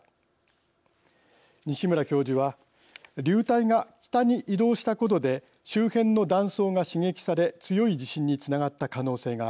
西村教授は流体が北に移動したことで周辺の断層が刺激され強い地震につながった可能性がある。